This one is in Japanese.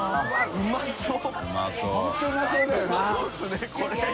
うまそう。